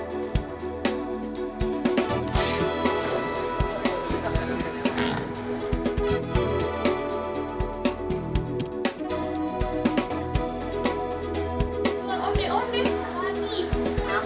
aku lahir karena ibu suka sama kode kode akhirnya aku diberi nama o